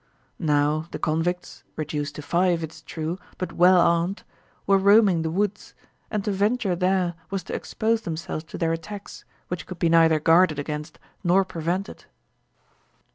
Now, the convicts, reduced to five, it is true, but well armed, were roaming the woods, and to venture there was to expose themselves to their attacks, which could be neither guarded against nor prevented.